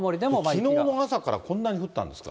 きのうの朝からこんなに降ったんですか？